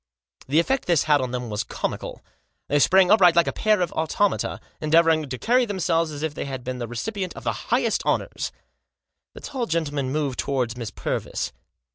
The effect this had on them was comical. They sprang upright like a pair of automata, endeavouring to carry themselves as if they had been the recipient of the highest honours. The tall gentleman moved towards Miss Purvis.